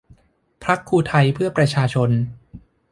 พรรคครูไทยเพื่อประชาชน